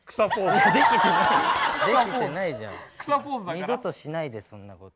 二度としないでそんなこと。